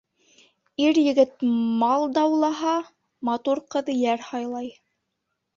Ир-егет мал даулаһа, матур ҡыҙ йәр һайлай.